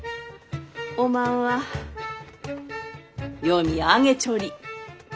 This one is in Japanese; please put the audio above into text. おまんは読み上げちょり。